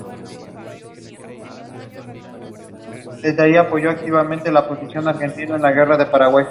Estaban representados por diecisiete gremios.